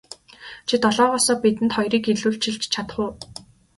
Чи долоогоосоо бидэнд хоёрыг илүүчилж чадах уу.